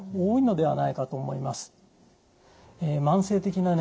はい。